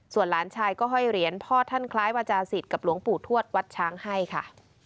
ส่วนหลานชายก็ห้อยเหรียญพ่อท่านคล้ายวาจาศิษย์กับหลวงปู่ทวดวัดช้างให้ค่ะ